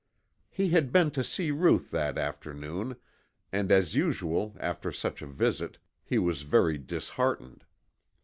He had been to see Ruth that afternoon and as usual after such a visit he was very disheartened.